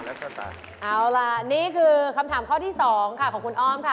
เอาล่ะนี่คือคำถามข้อที่๒ค่ะของคุณอ้อมค่ะ